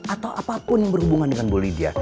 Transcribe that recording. atau apapun yang berhubungan dengan bu lydia